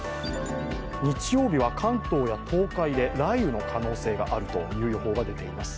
日曜日は関東や東海で雷雨の可能性があるという予報が出ています。